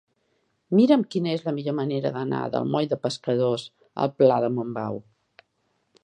Mira'm quina és la millor manera d'anar del moll de Pescadors al pla de Montbau.